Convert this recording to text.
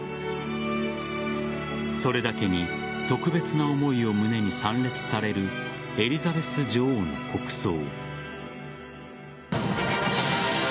それだけに特別な思いを胸に参列されるエリザベス女王の国葬。